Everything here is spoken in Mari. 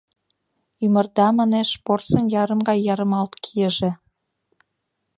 — Ӱмырда, — манеш, — порсын ярым гай ярымалт кийыже».